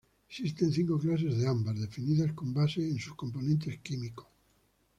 Existen cinco clases de ámbar, definidas con base en sus componentes químicos.